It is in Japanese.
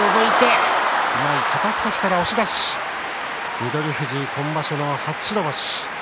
翠富士、今場所の初白星。